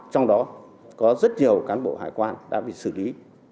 trong đó có rất nhiều cán bộ hải quan đã bị xử lý